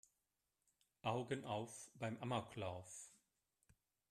Augen auf beim Amoklauf!